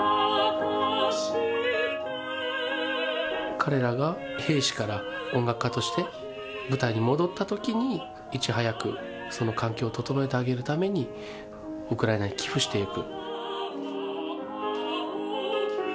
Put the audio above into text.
彼らが兵士から音楽家として舞台に戻ったときに、いち早くその環境を整えてあげるために、ウクライナに寄付していく。